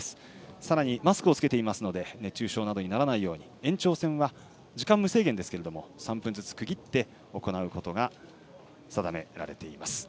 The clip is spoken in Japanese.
さらにマスクを着けていますので熱中症などにならないように延長戦は、時間無制限ですが３分ずつ区切って行うことが定められています。